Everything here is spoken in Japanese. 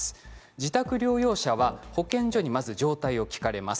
自宅療養者は保健所にまず状態を聞かれます。